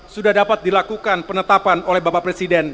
sudah dapat dilakukan penetapan oleh bapak presiden